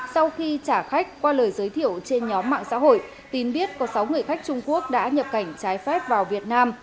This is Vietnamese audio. sau khi trả khách qua lời giới thiệu trên nhóm mạng xã hội tín biết có sáu người khách trung quốc đã nhập cảnh trái phép vào việt nam